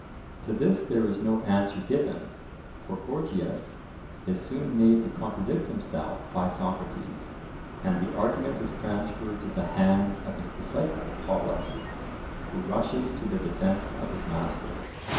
To this there is no answer given, for Gorgias is soon made to contradict himself by Socrates, and the argument is transferred to the hands of his disciple Polus, who rushes to the defence of his master.